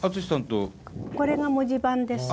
これが文字盤です。